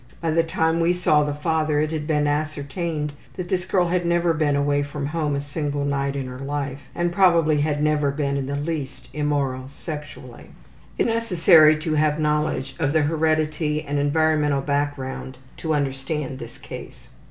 By the time we saw the father it had been ascertained that this girl had never been away from home a single night in her life and probably had never been in the least immoral sexually. It is necessary to have knowledge of the heredity and environmental background to understand this case.